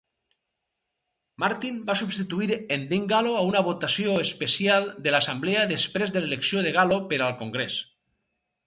Martin va substituir en Dean Gallo a una votació especial de l"assemblea després de l"elecció de Gallo per al Congrés.